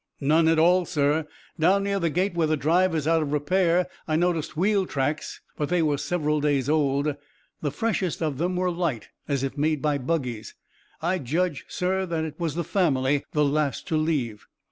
"None at all, sir. Down near the gate where the drive is out of repair I noticed wheel tracks, but they were several days old. The freshest of them were light, as if made by buggies. I judge, sir, that it was the family, the last to leave."